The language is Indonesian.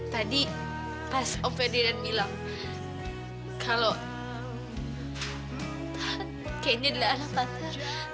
tadi pas om ferdinand bilang kalau candy adalah anak tante